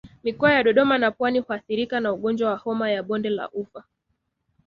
Mikoa ya Dodoma na Pwani huathirika na ugonjwa wa homa ya bonde la ufa